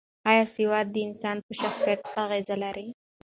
ایا سواد د انسان په شخصیت اغېز لري؟